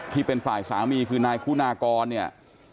ที่เป็นฝ่ายสามีคือนายคุณากรเนี่ย